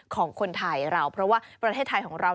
ของคนไทยเราเพราะว่าประเทศไทยของเรา